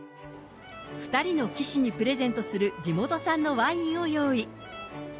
２人の棋士にプレゼントする地元産のワインを用意。